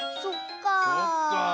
そっか。